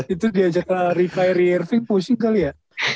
itu diajaklah refire irving pushing kali ya